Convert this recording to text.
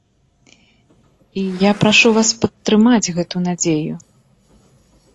І я прашу вас падтрымаць гэтую надзею.